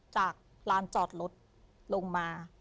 จากร้านจอดรถลงมา